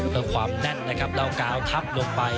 เพื่อความแน่นนะครับแล้วกาวทับลงไป